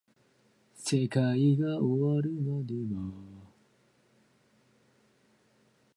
Unlike beta-carotene, another well-known carotenoid, annatto-based pigments are not vitamin A precursors.